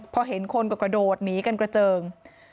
พอเห็นคนก็กระโดดหนีกันกระเจิง